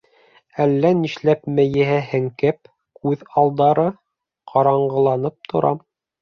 Әллә нишләп мейеһе һеңкеп, күҙ алдары ҡараңғыланып тора.